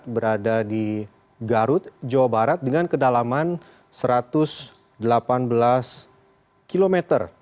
berada di garut jawa barat dengan kedalaman satu ratus delapan belas km